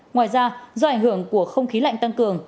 ngoài ra do ảnh hưởng của không khí lạnh tăng cường